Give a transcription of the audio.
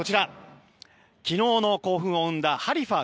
昨日の興奮を生んだハリファ